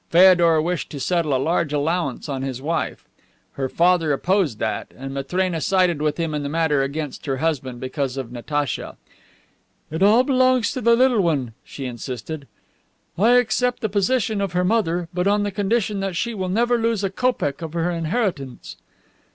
Feodor wished to settle a large allowance on his wife; her father opposed that, and Matrena sided with him in the matter against her husband, because of Natacha. "It all belongs to the little one," she insisted. "I accept the position of her mother, but on the condition that she shall never lose a kopeck of her inheritance."